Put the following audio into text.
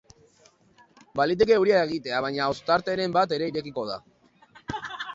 Baliteke euria egitea, baina ostarteren bat ere irekiko da.